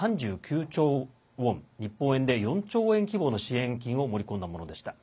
３９兆ウォン日本円で４兆円規模の支援金を盛り込んだものでした。